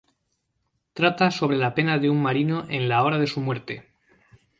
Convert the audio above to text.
Trata sobre la pena de un marino en la hora de su muerte.